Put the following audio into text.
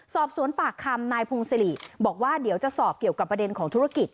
สอบสวนปากคำนายพงศิริบอกว่าเดี๋ยวจะสอบเกี่ยวกับประเด็นของธุรกิจ